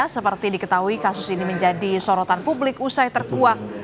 seperti diketahui kasus ini menjadi sorotan publik usai terkuak